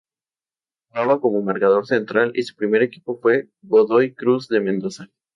Jugaba como marcador central y su primer equipo fue Godoy Cruz de Mendoza.